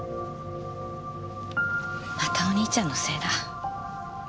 またお兄ちゃんのせいだ。